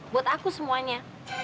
buat aku semuanya